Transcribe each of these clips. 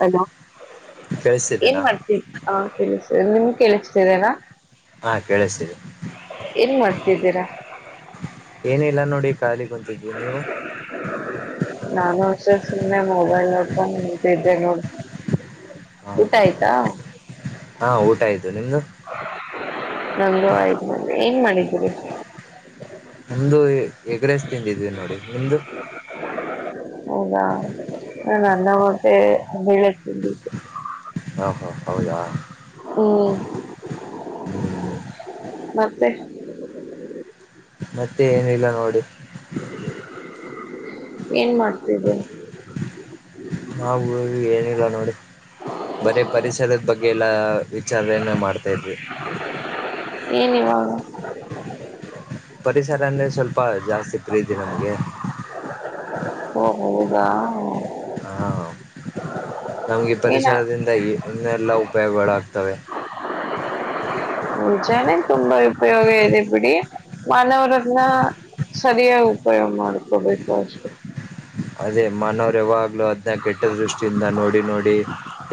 Hello ಏನ್ ಕೇಳಿಸ್ತಿದ್ದೇನಾ ಮಾಡ್ತೀರಿ ಹ ಕೇಳಿಸ್ತೇ ನಿಮ್ ಕೇಳ್ಸ್ತೀದೆನಾ. ಹಾ ಕೇಳ್ಸ್ತೀದೆ. ಏನ್ ಮಾಡ್ತಿದ್ದೀರಾ. ಏನಿಲ್ಲ ನೋಡಿ ಖಾಲಿ ಕುಂತಿನಿ. ನಾನು ಅಷ್ಟೇ ಸುಮ್ನೆ ಮೊಬೈಲ್ ನೋಡ್ಕಾನ್ ನಿಂತಿದೆ ನೋಡು. [unintelligible] ಹಾ ಊಟ ಹಾ ಹಾ ಆಯ್ತಾ. ಹಾ ಊಟ ಆಯ್ತು ನಿಮ್ದು. ನಂದು ಆಯ್ತು ನೋಡ್ರಿ ಏನ್ ಮಾಡಿದ್ರಿ. ನಮ್ದು ಎಗ್ಗ್ರ್ಸ್ ತಿಂದಿದ್ವಿ ನೋಡಿ ನಿಮ್ದು. ಹೌದಾ ನನ್ ಅನ್ನ ಮತ್ತೆ ಬೆಳೆ ತಿಂದ್ವಿ. [unintelligible] ಹಾ ಹಾ ಹೌದಾ. ಹ್ಮ್. ಹ್ಮ್ ಮತ್ತೆ. ಮತ್ತೆ ಏನಿಲ್ಲ ನೋಡಿ. ಏನ್ ಮಾಡ್ತಿದೀರಾ. ನಾವು ಏನಿಲ್ಲ ನೋಡಿ ಬರೇ ಪರಿಸರದ ಬಗ್ಗೆ ಎಲ್ಲ. ವಿಚಾರಣೆ ಮಾಡ್ತಾ ಇದ್ವಿ. ಎನಿವಾಗ. ಪರಿಸರ ಅಂದ್ರೆ ಸ್ವಲ್ಪ ಜಾಸ್ತಿ ಪ್ರೀತಿ ನಮ್ಗೆ. [inaudible] ಓ ಹೌದಾ. ಹಾ ನಮ್ಗೆ ಏನ ಪರಿಸರದಿಂದ ಇನ್ನೆಲ್ಲಾ ಉಪಯೋಗಗಳುಾಗ್ತವೆ. ನಿಜಾನೆ ತುಂಬಾ ಉಪಯೋಗ ಇದೆ ಬಿಡಿ ಮಾನವರನ್ನಾ. ಸರಿಯಾಗಿ ಉಪಯೋಗ ಮಾಡ್ಕೊಬೇಕು ಅಷ್ಟೇ. ಅದೇ ಮಾನವರು ಯಾವಾಗ್ಲೂ ಅದ್ನ ಕೆಟ್ಟ ದೃಷ್ಟಿಯಿಂದ ನೋಡಿ ನೋಡಿ.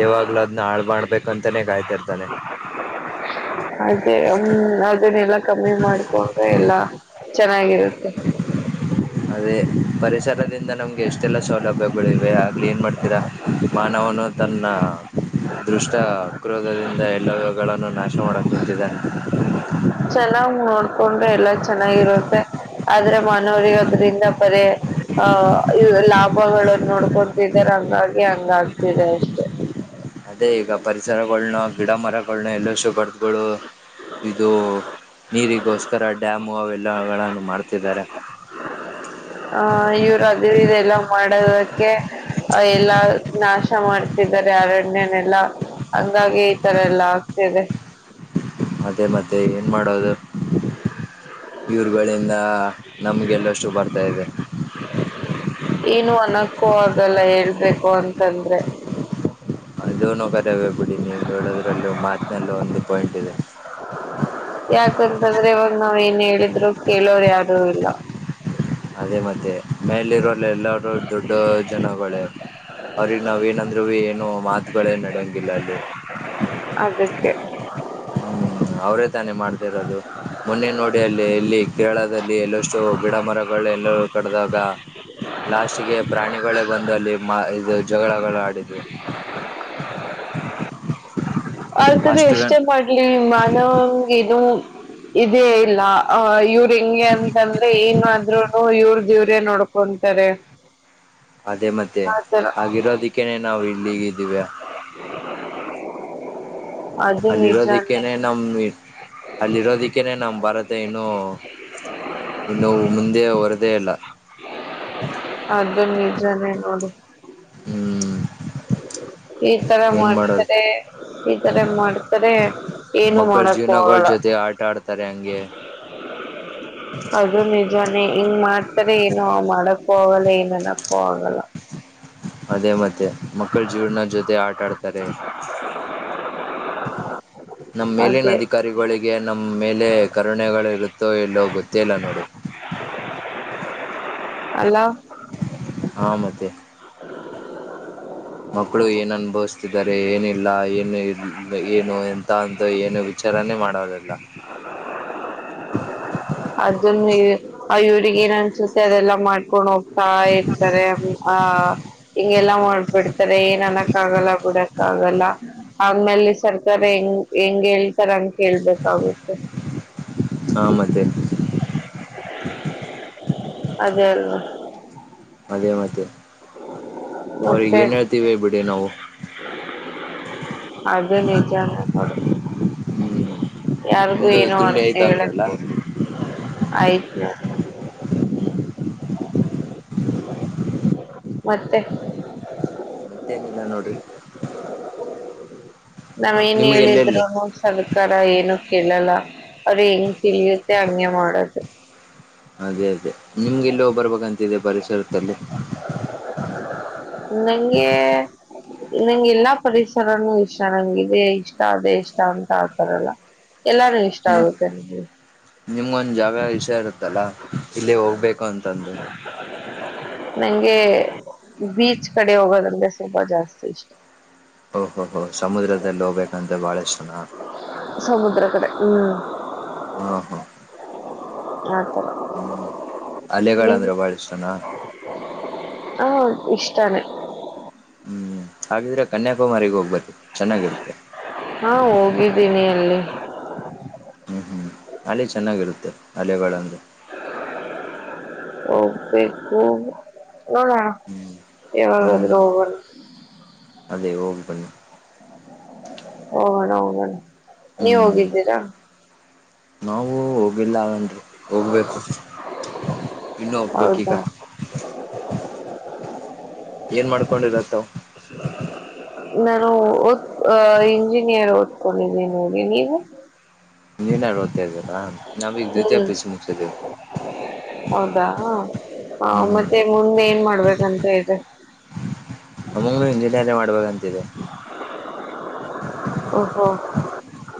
ಯಾವಾಗ್ಲ ಅದ್ನ ಹಾಳ್ ಮಾಡ್ಬೇಕಂತಾನೇ ಕಾಯ್ತಿಾರ್ತಾನೆ. ಅದೇ ಹ ಅದನ್ನೆಲ್ಲ ಕಮ್ಮಿ ಮಾಡ್ಕೊಂಡ್ರೆ ಎಲ್ಲಾ ಚೆನ್ನಾಗಿರುತ್ತೆ. ಅದೇ ಪರಿಸರದಿಂದ ನಮ್ಗೆ ಎಷ್ಟೆಲ್ಲ ಸೌಲಭ್ಯಗಲಿವೇ ಆಗ್ಲಿ ಏನ್ ಮಾಡ್ತೀರಾ. ಮಾನವನು ತನ್ನ. ದುಷ್ಟ ಕ್ರೋಧದಿಂದ ಎಲ್ಲ್ಯಗಳನ್ನು ನಾಶ ಮಾಡಕ್ ನಿಂತಿದ್ದಾನೆ. ಚೆನ್ನಾಗ್ ನೋಡ್ಕೊಂಡ್ರೆ ಎಲ್ಲ ಚೆನ್ನಾಗಿರುತ್ತೆ ಆದ್ರೆ ಮಾನವರಿ ಅದ್ರಿಂದ ಬರಿ. ಆಹ ಲಾಭಗಳನ್ನ ನೋಡ್ಕೊತಿದಿದ್ದಾರೆ ಹಂಗಾಗಿ ಹಂಗ ಆಗ್ತಿದೆ ಅಷ್ಟೆ. ಅದೇ ಈಗ ಪರಿಸರಗಳನ್ನ ಗಿಡ ಮರಗಳನ್ನು ಎಲ್ಲ ಶುಗರ್ದಗಳು ಇದು ನೀರಿಗೋಸ್ಕರ ಡ್ಯಾಮು ಅವೆಲ್ಲಗಳನ್ನು ಮಾಡ್ತಿದ್ದಾರೆ. ಹ, [unintelligible] ಇವ್ರು ಅದ ಇದೆಲ್ಲ ಮಾಡದಕ್ಕೆ ಎಲ್ಲಾ ನಾಶ ಮಾಡ್ತಿದ್ದಾರೆ ಅರಣ್ಯನೆಲ್ಲಾ ಹಂಗಾಗಿ ಈ ತರ ಎಲ್ಲಾ ಆಗ್ತದೆ. ಅದೇಮತ್ತೆ ಏನ್ ಮಾಡೋದು. [inaudible] ಇವರುಗಳಿಂದ ನಮ್ಗೆಲ್ಲಷ್ಟು ಬರ್ತಾ ಇದೆ. ಏನು ಅನಕ್ಕೂ ಹೊಗಲ್ಲ ಹೇಳ್ಬೇಕು ಅಂತಂದ್ರೆ. ಅದ ಕರವೇ ಬಿಡಿ ನೀವು ಹೇಳೋದ್ರಲ್ಲೂ ಮಾತಿನಲ್ಲೂ ಒಂದು ಪಾಯಿಂಟ್ ಇದೆ. ಯಾಕಂತಂದ್ರೆ ಇವಾಗ ನಾವ್ ಏನ್ ಹೇಳಿದ್ರು ಕೇಳೋರ್ ಯಾರು ಇಲ್ಲ. ಅದೇ ಮತ್ತೆ ಮೇಲಿ ಇರೋರ ಎಲ್ಲ. ದೊಡ್ಡ ಜನಗಳೇ ಅವ್ರಗ್ ನಾವ ಏನಂದರು ಏನು ಮಾತ. ಗಳೆ ನಡಿಯಂಗಿಲ್ಲ ಅಲ್ಲಿ. ಅದಕ್ಕೆ ಹ್ಮ್, ಅವರೇ ತಾನೇ ಮಾಡ್ತಿರೋದು. ಮೊನ್ನೆ ನೋಡಿ ಅಲ್ಲಿ ಇಲ್ಲಿ ಕೇರಳದಲ್ಲಿ ಎಲ್ಲಷ್ಟು ಗಿಡ ಮರ ಎಲ್ಲರೂ ಕಡದಾಗ ಲಾಸ್ಟ್ಗೆ ಪ್ರಾಣಿಗಳೇ ಬಂದು ಅಲ್ಲಿ ಇದು ಜಗಳಗಳು ಆಡಿದವು. ಅರ್ತದೆ ಅಷ್ಟು ಎಷ್ಟೇ ಗಂಟ ಮಾಡ್ಲಿ ಮಾನವ ನು ಇದದೆ ಇಲ್ಲ ಯ. [unintelligible] ಹೆಂಗೆ ಅಂತಂದ್ರೆ ಏನಾದ್ರೂನು ಇವ್ರ ದೇವ್ರೇ ನೋಡ್ಕೊಂತಾರೆ. ಅದೇ ಮತ್ತೆ ಆತರ ಆಗಿರೋದಕ್ಕೇನೆ ನಾವು ಇಲ್ಲಿಗ ಇದ್ದೀಯಾ. ಅ [inaudible] ಅಲ್ಲಿರೋದಿಕ್ಕೇನೆ ನಮ್ ಅಲ್ಲಿರೋದಿಕ್ಕೇನೆ ನಮ್ ಭಾರತ ಮತ್ತ ಇನ್ನು, ಇನ್ನು ಮುಂದೆ ಬರದೇ ಇಲ್ಲಾ ಅದು ನಿಜಾನೇ ನೋಡಿ ಹ್ಮ್, ಈ ತರ ಏನ್ ಮಾಡೋದು ಮಾಡ್ತಾರೆ. ಈ ತರ ಮಾಡ್ತಾರೆ ಏನು ಮಾಡಕ್ ಹೋಗಲ್ಲ. ತಾರೆ ಅಗೆ [inaudible] ಅದು ನಿಜಾನೇ ಹಿಂಗ್ ಮಾಡ್ತಾರೆ ಏನು ಮಾಡಕ್ಕ ಆಗಲ್ಲ ಅನ್ನಕ್ಕು ಆಗಲ್ಲ. ಅದೇ ಮತ್ತೆ ಮಕ್ಕಳ ಜೀವನ ಜೊತೆ ಆಟ ಆಡ್ತಾರೆ ನಮ್ಮ ಅದೇ ಮೇಲಿನಅದ ಕಾರಿಗಳಿಗೆ ನಮ್ಮ ಮೇಲೆ ಕರುಣೆಗಳಿರುತ್ತೋ ಎಲ್ಲೋ ಗೊತ್ತೇ ಇಲ್ಲ ನೋಡಿ. - ಅಲೋ, ಹಾ, ಮತ್ತೆ ಮಕ್ಕಳು ಏನ್ ಅನುಭವಿಸತಿದ್ದಾರೆ ಏನಿಲ್ಲ ಏನು ಇ ಏನು ಎಂತ ಅಂತ ಏನು ವಿಚಾರಾನೇ ಮಾಡೋದಿಲ್ಲ. [inaudible] ಅದನ್ನೆ ಆ ಇವರಿಗ ಏನ ಅನ್ಸುತ್ತೆ ಅದೆಲ್ಲಾ ಮಾಡ್ಕೊಂಡ್ ಹೋಗ್ತಾ ಇರ್ತಾರೆ. ಆ ಹಿಂಗೆಲ್ಲ ಮಾಡ್ಬಿಡ್ತಾರೆ ಏನ್ ಅನಕ್ ಆಗಲ್ಲ ಬಿಡಕ್ಕ ಆಗಲ್ಲ. ಆ ಮೇಲೆ ಸರ್ಕಾರ ಹೆಂಗ್, ಹೆಂಗ್ ಹೇಳ್ತಾರ ಅಂಗ ಹೇಳ್ಬೇಕಾಗುತ್ತೆ. ಹಾ, ಮತ್ತೆ ಅದೇ ಅಲ್ಲವಾ ಅದೇ ಮತ್ತೆ ಅವ್ರಿಗೆ ಮತ್ತೆ ಏನ್ ಹೇಳ್ತೀವಿ ಬಿಡಿ ನಾವು. ಅದು ನಿಜಾನೇ [unintelligible] ಹ್ಮ್ ಯಾರಿಗು ನಿಮ್ದು ಏನು ತಿಂಡಿ ಆಯ್ತಾ ಹೇಳೋಕೆ. ಅಂದ್ರಲ್ಲ ಆಯ್ತು. ಮತ್ತೆ. ಮತ್ತೇನಿಲ್ಲ ನೋಡ್ರಿ. ನಾವ್ ಏನೇ ನಿಮ್ಗೆ ಎಲ್ಲೆಲ್ಲಿ ಹೇಳಿದ್ರಿನು. ಸರ್ಕಾರ ಏನು ಕೇಳಲ್ಲ ಅವ್ರ ಹೆಂಗ ತಿಳಿಯುತ್ತೆ ಹಂಗೆ ಮಾಡದು. ಅದೇ ಅದೇ ನಿಮ್ಗೆಲ್ಲೋ ಬರ್ಬೇಕಂತಿದೆ ಪರಿಸರದಲ್ಲಿ ನಂಗೆ. ನಂಗೆ ಎಲ್ಲಾ ಪರಿಸರನುೂ ಇಷ್ಟ ನಂಗೆ ಇದೆ ಇಷ್ಟ ಅದೇ ಇಷ್ಟ ಅಂತ ಆತಾರಲ್ಲ. ಎಲ್ಲಾನು ಇಷ್ಟ ಆಗುತ್ತೆ ನಮಗೆ. ನಿಮ್ಗೊಂದ ಜಾವ್ಯಾವ ವಿಷಯ ಇರುತ್ತ. ಇಲ್ಲಿ ಹೋಗ್ಬೇಕು ಅಂತಂದು. ನಂಗೆ ಬೀಚ್ ಕಡೆ ಹೋಗೋದಂದ್ರೆ ಸ್ವಲ್ಪ ಜಾಸ್ತಿ ಇಷ್ಟ. ಓಹೋ ಹೋ ಸಮುದ್ರದಲ್ಲಿ ಹೋಗ್ಬೇಕಂದ್ರೆ ಬಹಳ ಇಷ್ಟು ಜನ. ಸಮುದ್ರ ಕಡೆ ಹ್ಮ್ ಹಾ ಹಾ ಹ ಆತರ ಹ್ಮ್ ಅಲೆಗಳು ನಿಮ್ ಅಂದ್ರೆ ಬಹಳ ಇಷ್ಟನಾ. ಹ ಇಷ್ಟಾನೇ. ಹ್ಮ್ ಹಾಗಿದ್ರೆ ಕನ್ಯಾಕುಮಾರಿ ಹೋಗಿ ಬನ್ನಿ. ಹಾ ಹೋಗಿದ್ದೀನಿ ಅಲ್ಲಿ. ಹ್ಮ್ ಹ್ಮ್ ಅಲ್ಲಿ ಚೆನ್ನಾಗಿರುತ್ತೆ ಅಲೆಗಳಂದ್ರೆ. ಹೌದ ಹೋಗಬೇಕು ನೋಡೋಣ. ಹ್ಮ್ ಯಾವಾಗಾದ್ರೂ ಹ್ಮ್ ಹೋಗೊಣ. ಅದೇ ಹೋಗಿ ಬನ್ನಿ. ಹೋಗೋಣ ಹೋಗೋಣ ನೀವ ಹ್ಮ್ ಹೋಗಿದ್ದೀರಾ. ನಾವು ಹೋಗಿಲ್ಲಂತ ಹೋಗ್ಬೇಕು ಇನ್ನೂ ಹೋಗಬೇಕು ಈಗ. ಹೌದಾ ಏನ್ ಮಾಡ್ಕೊಂಡಿರೋದು ತಾವು ನಾನು ಓದ ಇಂಜಿನಿಯರ್ ಓದ ಕೊಂಡಿದೀನಿ ನೀವು? ಇಂಜಿನಿಯರ್ ಓದ್ತಾಯಿದೆರ ನಾವು ಈಗ ದ್ವಿತೀಯ ಹ್ಮ್ ಪಿ ಯು ಸಿ ಮುಗಿಸಿದ್ದೀವಿ. ಹೌದಾ ಹ ಹ್ಮ್ ಮತ್ತೆ ಮುಂದ ಏನ್ ಮಾಡ್ಬೇಕಂತ ಇದಿರ. ತೆ. ನಮಗೂ ಇಂಜಿನಿಯರಿಂಗ್ ಮಾಡಬೇಕು ಅಂತ ಇದೆ. ಓ ಓ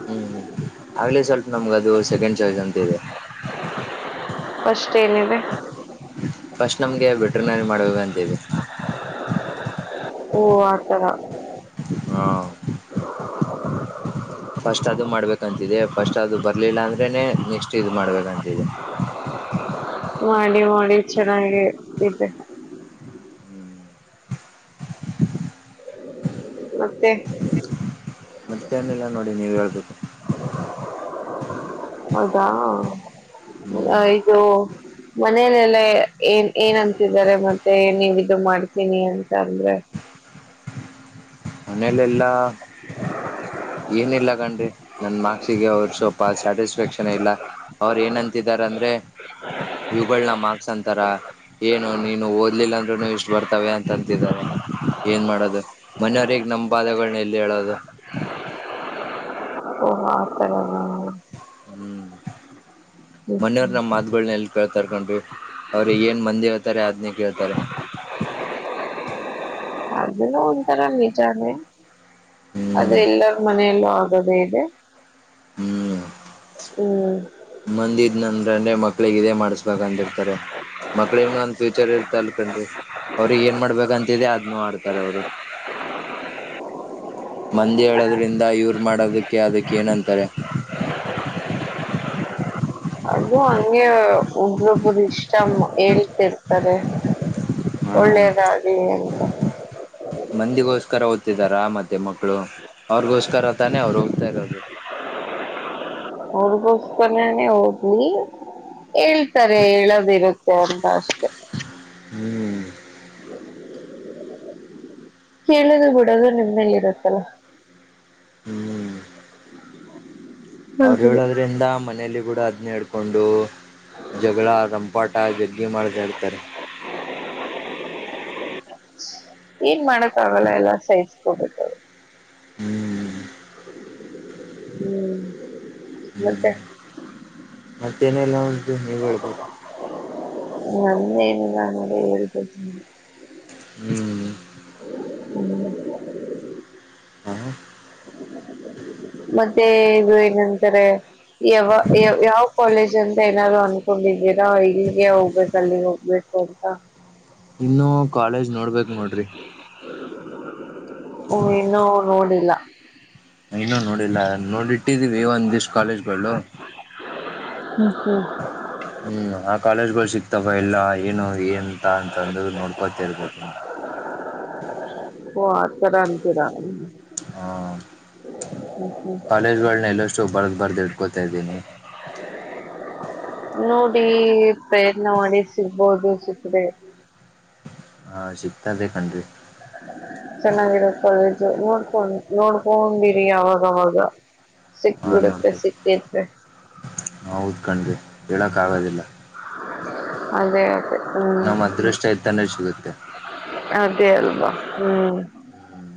ಹ್ಮ್ ಆಗ್ಲೇ ಸ್ವಲ್ಪ ನಮ್ಗ ಅದು ಸೆಕೆಂಡ್ ಚಾಯ್ಸ್ ಅಂತ ಇದೆ. ಫ್ರಿಸ್ಟ್ ಏನಿದೆ. ಫಸ್ಟ್ ನಮ್ಗೆ ವೇಟರ್ನರಿ ಮಾಡಬೇಕು ಅಂತ ಇದೆ. ಓ ಆತರ ಹಾ ಫಸ್ಟ್ ಅದು ಮಾಡ್ಬೇಕಂತಿದೆ ಫಸ್ಟ್ ಅದು ಬರ್ಲಿಲ್ಲ ಅಂದ್ರೆನೆ ನೆಕ್ಸ್ಟ್ ಇದು ಮಾಡ್ಬೇಕಂತಿದೆ. ಮಾಡಿ ಮಾಡಿ ಚೆನ್ನಾಗಿ ಇದ್ದೆ [inaudible] ಮತ್ತೆ. ಮತ್ತೇನಿಲ್ಲ ನೋಡಿ ನೀವು ಹೇಳ್ಬೇಕು. [inaudible] ಹೌದಾ ಹ್ಮ್ ಇದು ಮನೆಲೆಲ್ಲ. ಏನ್ ಏನ್ ಅಂತಿದ್ದಾರೆ ಮತ್ತೆ ನೀವ ಇ ಮಾಡ್ತೀನಿ ಅಂತ ಅಂದ್ರೆ ಮನೇಲೆ ಎಲ್ಲಾ ಏನಿಲ್ಲ ಕಂಡ್ರಿ ನನ್ ಮಾರ್ಕ್ಸಿಗೆ ಅವರು ಸ್ವಲ್ಪ ಸ್ಯಾಟಿಸ್ಫ್ಯಾಕ್ಷನ್ ಇಲ್ಲಾ ಅವ್ರ ಏನಂತಿದಾರ ಅಂದ್ರೆ ಇವುಗಳ ನ ಮಾರ್ಕ್ಸ್ ಅಂತಾರ ಏನು ನೀನು ಓದ್ಲಿಲ್ಲ ಅಂದ್ರೂನು ಇಷ್ಟು ಬರ್ತ ತವೆ ಅಂತ ಅಂತಿದ್ದಾರೆ ಏನ್ ಮಾಡೋದು ಮನೆಯವ್ರಗ್ ನಮ್ಮ್ ಬಾದೆಗಳನ್ನ ಎಲ್ಲಿ ಹೇಳೋದು ಓಹ ಆಥರನಾ ಹ್ಮ್ ಹ್ಮ್ ಮನೆಯರ ಹ್ಮ್ ನ ಮಾದ ಹಗಳ ಎಲ್ಲಿ ಕೇಳ್ತರ್ ಕಂಡ್ರಿ ಅವ್ರಿಗೆ ಏನ್ ಮಂದಿ ಹೇಳ್ತಾರೆ ಅದ್ನೇ ಕೇಳ್ತಾರೆ ಅದನ್ನು ಒಂಥರ ನಿಜಾನೇ ಅದ ಹ್ಮ್ ಎಲ್ಲರ ಮನೆಯಲ್ಲೂ ಆ ದೇ ಇದೆ ಹ್ಮ್ ಮಂದಿ ಇದ್ ನಂದೇ ಮಕ್ಳಿಗೆ ಇದೇ ಮಾಡ್ಸ್ಬೇಕ ಅಂತಿರ್ತಾರೆ ಮಕ್ಳ ಒಂದ ಫ್ಯೂಚರ್ ಇರ ಲ್ಕೊಂಡ್ರಿ ಅವ್ರಿಗೆ ಏನ್ ಮಾಡ್ಬೇಕಂತಿದೆ ಅದನ್ನು ಆಡ್ತಾರೆ ಅವ್ರು ಮಂದಿ ಹೇಳೋದ್ರಿಂದ ಇವರು ಮಾಡೋದಕ್ಕೆ ಅದಕ್ಕೆ ಏನಂತಾರೆ ಅದು ಹಂಗೆ ಒಬ್ರೊಬ್ಬರು ಇಷ್ಟ ಹೇಳಿದ ಕೇಳರ್ತಾರೆ ಹಾ ಒಳ್ಳೇದಾಗಿ ಅ ಮಂದಿಗೋಸ್ಕರ ಓದ್ತಿದಾರ ಮತ್ತೆ ಮಕ್ಕಳು ಅವ್ರಗೋಸ್ಕರ ತಾನೆ ಅವರು ಓದ್ತಾ ಇರೋದು ಅವ್ರಗೋಸ್ಕರಾನೇ ಹಓದ್ಲಿ ಹೇಳ್ತಾರೆ ಹೇಳೋದಿರುತ್ತೆ ಅಂತ ಅಷ್ಟೆ ಹ್ಮ [inaudible] ಕೇಳುದು ಬಿಡೋದು ನಿಮ್ನಲ್ಲಿ ಇರುತ್ತಲ್ಲ ಹ್ಮ್ [unintelligible] ಅವ್ರು ಹೇಳೋದ್ರಿಂದ ಮನೇಲಿ ಅದೇ ಕೂಡ ಅದನ್ನ ಹಿಡ್ಕೊಂಡು ಜಗಳಾ ರಂಪಾಟ ಜಗ್ಗಿ ಮಾಡಿದೇ ಅರ್ತಾರೆ ಏನ್ ಮಾಡಕ್ ಆಗಲ್ಲ ಎಲ್ಲ ಸಹಿಸಕೊಬೇಕ ಹ್ಮ್ ಹ್ಮ್ ಮತ್ತೆ ಮತ್ತೇನಿಲ್ಲ ನೋಡ ನೀವು ಹೇಳ್ಬೇಕು ನಂದೇನ ಇಲ್ಲ ನೀವೇ ಹೇಳ್ಬೇಕು ಹ್ಮ್ ಹ್ಮ್ ಹಾ ಮತ್ತೆ ಇದು ಏನಂತಾರೆ ಯಾವ ಯ ಯಾವ ಕಾಲೇಜ್ ತ ಏನಾದ್ರು ಅನ್ಕೊಂಡಿದ್ದೀರಾ ಇಲ್ಲಿಗೆ ಹೋಗ್ಬೇಕು ಅಲ್ಲಿಗೆ ಹೋಗ್ಬೇಕು ಅಂತ ಇನ್ನು ಕಾಲೇಜ್ ನೋಡ್ಬೇಕ್ ನೋಡ್ರಿ ಹ್ಮ ಇನ್ನೂ ನೋಡಿಲ್ಲಾ ಇನ್ನು ನೋಡಿಲ್ಲ ನೋಡಿಟ್ಟಿದೀವಿ ಒಂದ್ ದಿವಸ ಕಾಲೇಜ್ಗಳು ಹ್ಮ್ ಹ್ಮ್ ಹ್ಮ್ ಆ ಕಾಲೇಜ್ ಗಳು ಸಿಕ್ತಾವ ಎಲ್ಲಾ ಏನು ಏಂತ ಅಂತಂದ್ರ ನೋಡ್ಕೋತ ಇರ್ಬೇಕೇತಿ ನಾ ಓ ಆತರ ಅಂತೀರಾ ಹಾ ಹ್ಮ್ ಕಾಲೇಜ್ಗಳನ್ನ ಎಲ್ಲ ಲೀಷ್ಟು ಬರ್ದ ಬರ್ದ ಇಡ್ಕೊತಾ ಇದ್ದೀನಿ [unintelligible] ನೋಡಿ ಪ್ರಯತ್ನ ಮಾಡಿ ಸಿಗ್ಬೋದು ಸಿಕ್ಕ್ರೆ ಹಾ ಸಿಗ್ತದೆೇ ಕನರಿ ಚೆನ್ನಾಗಿರ ಕಾಲೇಜು ನೋಡ್ಕೊಂಡ ನೋಡ್ಕೊಂಡಿರಿ ಅವಾಗವಾಗ. ಸಿಕ್ಬಿಡುತ್ತೆ ಸಿಕ್ಕ [unintelligible] ತ್ ಹೌದ್ಕಣ್ರಿ ಹೇಳಕ್ ಆಗೋದಿಲ್ಲ ಅದೇ ಅದೇ ಹ್ಮ್ ನಮ್ಮ್ ಅದೃಷ್ಟ ಇದ್ದಾನೆ ಸಿಗುತ್ತೆ. ಅದೇ ಅಲ್ವಾ ಹ್ಮ್ ಹ್ಮ್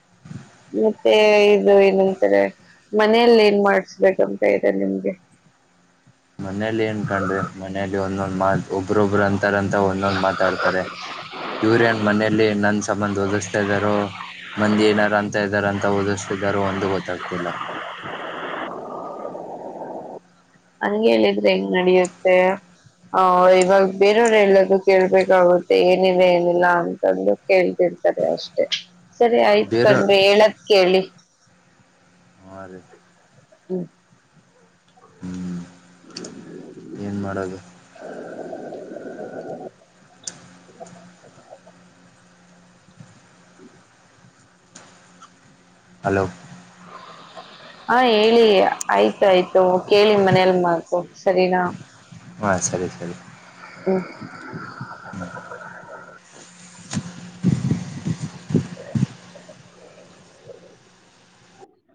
[unintelligible] ಮತ್ತೆ ಇದು ಏನಂತಾರೆ ಮನೆಯಲ್ಲಿ ಏನ್ ಮಾಡಸ್ಬೇಕಂತ ಇದೆ ನಿಮ್ಗೆ. ಮನೇಲಿ ಏನ್ ಕಂಡ್ರಿ ಮನೇಲಿ ಒಂದೊಂದ್ ಮಾಲ್ ಒಬ್ಬೊಬ್ರು ಅಂತಾರಂತ ಒಂದೊಂದ್ ಮಾತಾಡ್ತಾರೆ ಯುರೇನ್ ಮನೇೆಯಲ್ಲಿ ನನ್ ಸಂಬಂದ ಓದಿಸ್ತಾ ಇದಾರೋ, ಮಂದಿ ಏನಾರ ಅಂತ ಇದಾರ ಅಂತ ಓದಿಸ್ತಿದಾರೋ ಒಂದು ಗೊತ್ತಾಗ್ತಿಲ್ಲ. ಹಂಗೆ ಹೇಳಿದ್ರೆ ಹೆಂಗ್ ನಡಿಯುತ್ತೆ. ಹ ಇವಾಗ ಬೇರೆಯವ್ರೆಲ್ಲ ಕೇಳ್ಬೇಕಾಗುತ್ತೆ ಏನಿದೆ ಏನಿಲ್ಲ ಅಂತಂದು ಕೇಳ್ತಿರ. ರಿ ಅಷ್ಟೇ ಸರಿ ಆಯ್ತ್ ಬೇರೆ ಕಂದ್ರೆ [unintelligible] ಹೇಳದ ಕೇಳಿ ಹ ರೀ [inaudible] ಹ್ಮ್, ಹ್ಮಞ [unintelligible] ಹ [inaudible] [unintelligible] ಹಲೋ, ಹಾ, ಹೇಳಿ ಆಯ್ತು ಆಯ್ತು ಕೇಳಿ ಮನೇಲ್ ಮಾತು ಸರಿನಾ ಹಾಂ ಸರಿ ಹ್ಮ [inaudible] ಹ್ಮ್ [inaudible] [unintelligible]